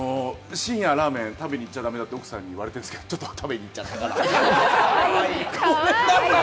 深夜ラーメンを食べに行っちゃだめだって奥さんに言われてるんですけど、ちょっと食べに行っかわいい。